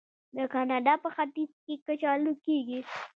د کاناډا په ختیځ کې کچالو کیږي.